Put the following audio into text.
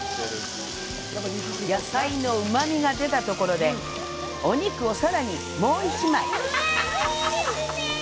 野菜のうまみが出たところで、お肉をさらにもう１枚。